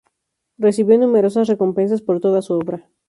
Recibió numerosas recompensas por toda su obra.